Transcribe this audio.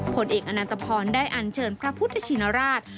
ผลเอกอนันตพรได้อันเชิญพระพุทธชินราช